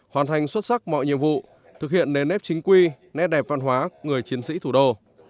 hoàn thành xuất sắc mọi nhiệm vụ thực hiện nền nếp chính quy nét đẹp văn hóa người chiến sĩ thủ đô